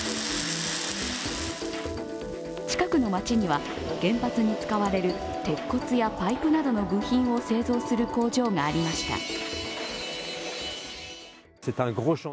近くの街には原発に使われる鉄骨やパイプなどの部品を製造する工場がありました。